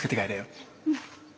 うん。